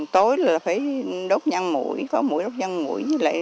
tối là phải đốt nhăn mũi có mũi đốt nhăn mũi như